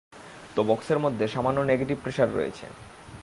তো বক্সের মধ্যে সামান্য নেগেটিভ প্রেশার রয়েছে।